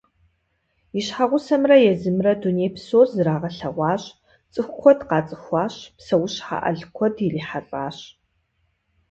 И щхьэгъусэмрэ езымрэ дуней псор зрагъэлъэгъуащ, цӏыху куэд къацӏыхуащ, псэущхьэ ӏэл куэд ирихьэлӏащ.